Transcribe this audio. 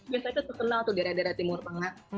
biasanya itu terkenal tuh di daerah daerah timur banget